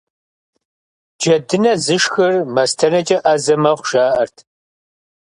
Джэдынэ зышхыр мастэнэкӀэ Ӏэзэ мэхъу, жаӀэрт.